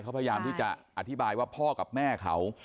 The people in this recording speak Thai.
เขาพยายามที่จะอธิบายว่าพ่อกับแม่เขา